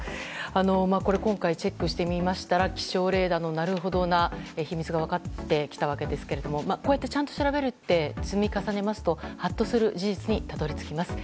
今回チェックしてみましたら気象レーダーのなるほどな秘密が分かってきたわけですけどもこうやってちゃんと調べるって積み重ねますとハッとする事実にたどり着きます。